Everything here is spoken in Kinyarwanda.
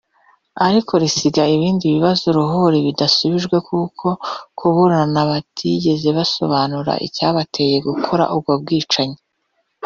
ariko risiga ibindi bibazo uruhuri bidasubijwe kuko mu kuburana batigeze basobanura icyabateye gukora ubwo bwicanyi